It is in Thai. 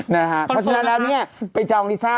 นะคะเพราะฉะนั้นละอันนี้ไปจองลิซา